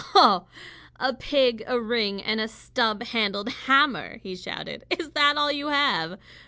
"Ho! A pig, a ring, and a stub handled hammer!" he shouted. "Is that all you have?